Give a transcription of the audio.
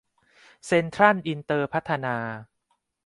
เซ็นทรัลอินเตอร์พัฒนา